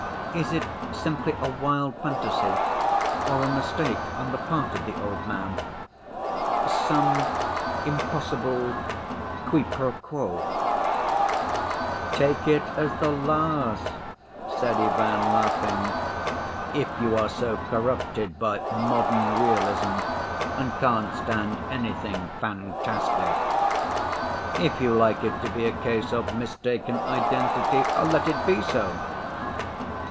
"Is it simply a wild fantasy, or a mistake on the part of the old man—some impossible quiproquo?" "Take it as the last," said Ivan, laughing, "if you are so corrupted by modern realism and can't stand anything fantastic. If you like it to be a case of mistaken identity, let it be so.